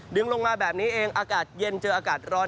ลงมาแบบนี้เองอากาศเย็นเจออากาศร้อน